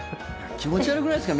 気持ち悪くないですか？